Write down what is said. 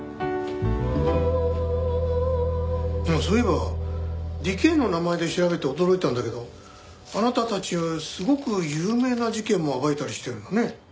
そういえばディケーの名前で調べて驚いたんだけどあなたたちすごく有名な事件も暴いたりしてるんだね。